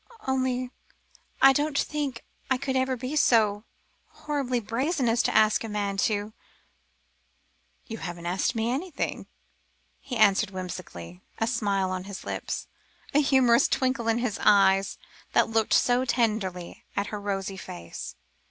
"Only I didn't think I could ever be so horribly brazen as to ask a man to " "You haven't asked me anything," he answered whimsically, a smile on his lips, a humorous twinkle in the eyes that looked so tenderly at her rosy face.